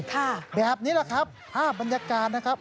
ค่ะแบบนี้แหละครับภาพบรรยากาศนะครับ